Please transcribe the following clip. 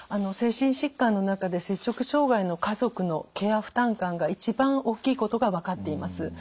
精神疾患の中で摂食障害の家族のケア負担感が一番大きいことが分かっています。